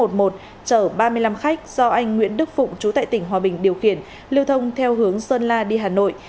do anh nguyễn đức phụng chú tại tỉnh hòa bình điều khiển lưu thông theo hướng sơn la đi hà nội